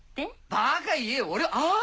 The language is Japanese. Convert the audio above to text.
バカ言え俺はあっ！